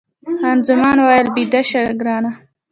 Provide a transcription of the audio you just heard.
خان زمان وویل، بیده شه ګرانه.